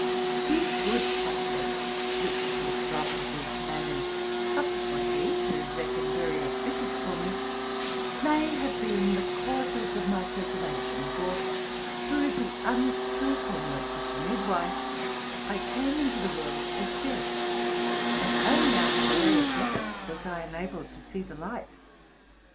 These good aspects, which the astrologers managed sub sequently to reckon very auspicious for me, may have been the causes of my preservation; for, through the unskilful ness of the midwife, I came into the world as dead; and only after various efforts was I enabled to see the light.